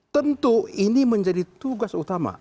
tentu ini menjadi tugas utama